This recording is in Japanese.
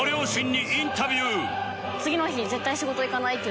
次の日。